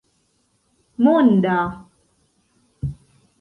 monda